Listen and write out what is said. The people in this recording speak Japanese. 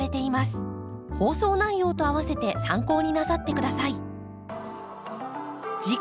放送内容と合わせて参考になさって下さい。